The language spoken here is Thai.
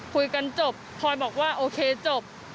คุยกันจบพลอยบอกว่าโอเคจบ